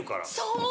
そう！